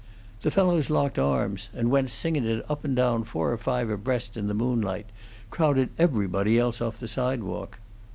The fellows locked arms and went singin' it up and down four or five abreast in the moonlight; crowded everybody else off the sidewalk."